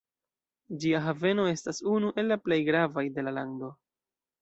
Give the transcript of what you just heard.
Ĝia haveno estas unu el la plej gravaj de la lando.